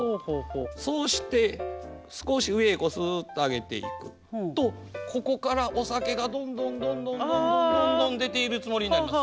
そうして少し上へすっと上げていくとここからお酒がどんどんどんどんどんどんどんどん出ているつもりになります。